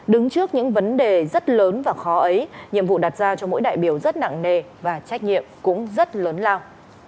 đứng trước những vấn đề rất lớn và khó ấy nhiệm vụ đặt ra cho mỗi đại biểu rất nặng nề và trách nhiệm cũng rất lớn lao